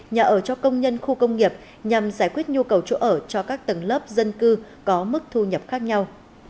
nhà ở cho công nhân khu công nghiệp nhằm giải quyết nhu cầu chỗ ở cho các tầng lớp dân cư có mức thu nhập khác nhau